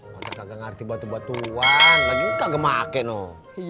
maksudnya kagak ngerti batu batuan lagi kagak makin oh